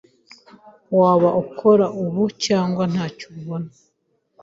Waba ukora ubu cyangwa ntacyo ubona.